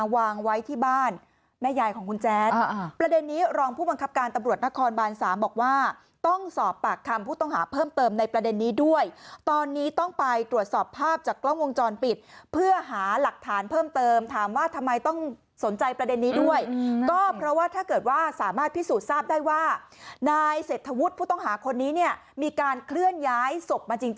วางไว้ที่บ้านแม่ยายของคุณแจ๊ดประเด็นนี้รองผู้บังคับการตำรวจนครบาน๓บอกว่าต้องสอบปากคำผู้ต้องหาเพิ่มเติมในประเด็นนี้ด้วยตอนนี้ต้องไปตรวจสอบภาพจากกล้องวงจรปิดเพื่อหาหลักฐานเพิ่มเติมถามว่าทำไมต้องสนใจประเด็นนี้ด้วยก็เพราะว่าถ้าเกิดว่าสามารถพิสูจน์ทราบได้ว่านายเศรษฐวุฒิผู้ต้องหาคนนี้เนี่ยมีการเคลื่อนย้ายศพมาจริง